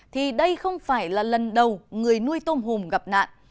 thì đây không phải là lần đầu người nuôi tôm hùm gặp nạn